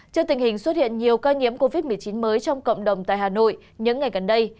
trước tình hình xuất hiện nhiều ca nhiễm covid một mươi chín mới trong cộng đồng tại hà nội những ngày gần đây